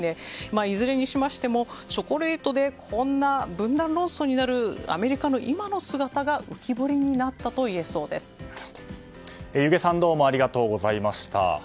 いずれにしましてもチョコレートでこんな分断論争になるアメリカの今の姿が弓削さんどうもありがとうございました。